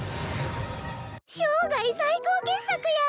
生涯最高傑作や！